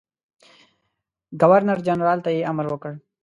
ګورنرجنرال ته یې امر وکړ.